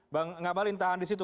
bang ngabalin tahan di situ